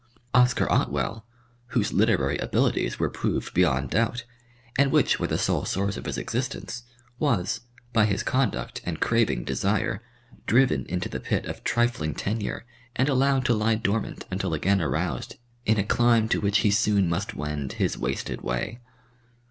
Oscar Otwell, whose literary abilities were proved beyond doubt, and which were the sole source of his existence, was, by his conduct and craving desire, driven into the pit of trifling tenure and allowed to lie dormant until again aroused in a clime to which he soon must wend his wasted way.